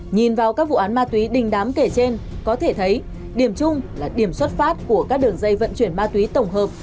nhìn vào các vụ án ma túy đình đám kể trên có thể thấy điểm chung là điểm xuất phát của các đường dây vận chuyển ma túy tổng hợp